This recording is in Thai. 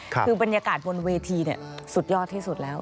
คือบรรยากาศบนเวทีสุดยอดที่สุดแล้ว